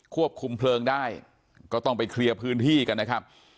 ควบคุมเพลิงได้ก็ต้องไปเคลียร์พื้นที่กันนะครับ